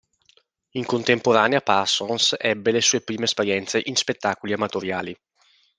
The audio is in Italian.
In contemporanea, Parsons ebbe le sue prime esperienze in spettacoli amatoriali.